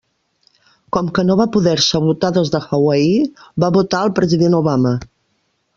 Com que no va poder-se votar des de Hawaii, va votar al president Obama.